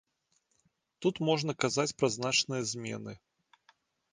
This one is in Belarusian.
Тут можна казаць пра значныя змены.